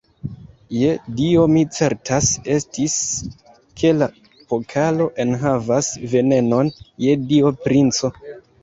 Je Dio, mi certa estis, ke la pokalo enhavas venenon, je Dio, princo!